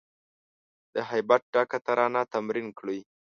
د هیبت ډکه ترانه تمرین کړی